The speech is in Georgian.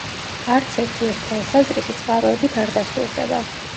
არც ერთი ეს თვალსაზრისი წყაროებით არ დასტურდება.